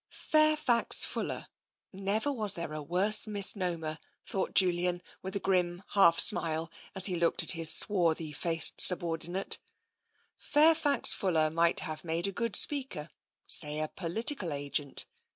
Fairfax Fuller — never was there a worse mis nomer, thought Julian, with a grim half smile, as he looked at his swarthy faced subordinate — Fairfax Fuller might have made a good speaker — say, a political agent.